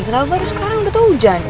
kenapa baru sekarang udah tau hujan